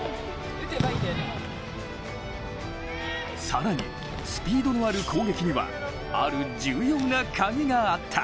更にスピードのある攻撃にはある重要なカギがあった。